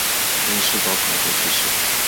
因事遭弹劾去世。